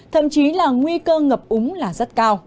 thậm chí là nguy cơ ngập úng là rất cao